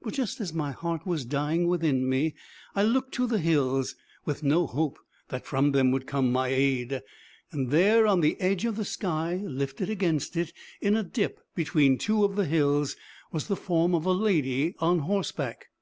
But just as my heart was dying within me, I looked to the hills with no hope that from them would come my aid and there, on the edge of the sky, lifted against it, in a dip between two of the hills, was the form of a lady on horseback.